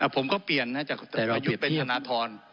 ผมก็เปลี่ยนนะจากผู้อีกประยุทธ์เป็นธนทร